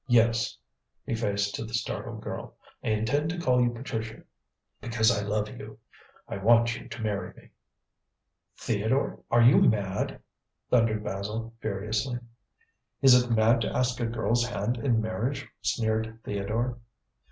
Yes" he faced to the startled girl "I intend to call you Patricia because I love you. I want you to marry me." "Theodore, are you mad?" thundered Basil furiously. "Is it mad to ask a girl's hand in marriage?" sneered Theodore.